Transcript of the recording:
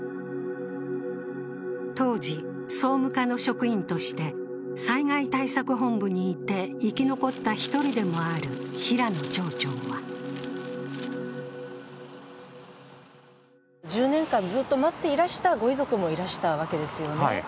当時、総務課の職員として災害対策本部にいて生き残った１人でもある平野町長は１０年間ずっと待っていらしたご遺族もいらしたわけですよね。